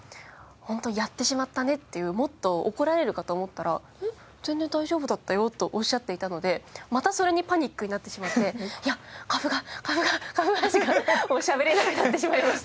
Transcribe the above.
本当やってしまったねっていうもっと怒られるかと思ったら「えっ全然大丈夫だったよ」とおっしゃっていたのでまたそれにパニックになってしまって「いやカフがカフがカフが」しかしゃべれなくなってしまいました。